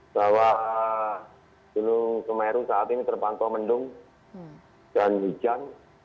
bahwa gunung meru saat ini terbangkau mendung dan hujan